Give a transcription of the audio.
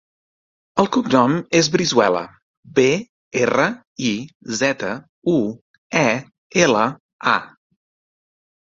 El cognom és Brizuela: be, erra, i, zeta, u, e, ela, a.